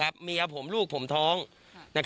ปู่มหาหมุนีบอกว่าตัวเองอสูญที่นี้ไม่เป็นไรหรอก